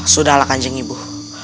sudahlah kancing ibu